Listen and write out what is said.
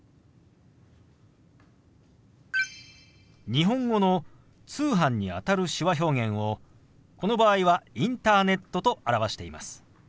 日本語の「通販」にあたる手話表現をこの場合は「インターネット」と表しています。